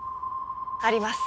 あります。